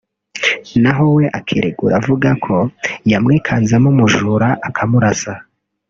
naho we akiregura avuga ko yamwikanzemo umujura akamurasa